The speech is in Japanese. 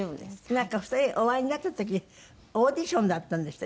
なんか２人お会いになった時オーディションだったんですって？